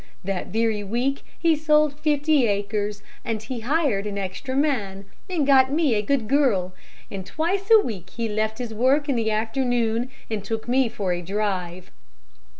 That very week he sold fifty acres, and he hired an extra man, and got me a good girl, and twice a week he left his work in the afternoon, and took me for a drive.